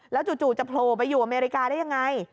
จู่จะโผล่ไปอยู่อเมริกาได้ยังไง